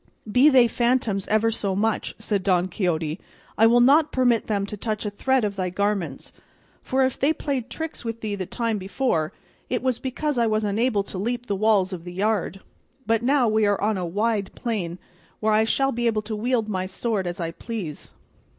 "Be they phantoms ever so much," said Don Quixote, "I will not permit them to touch a thread of thy garments; for if they played tricks with thee the time before, it was because I was unable to leap the walls of the yard; but now we are on a wide plain, where I shall be able to wield my sword as I please."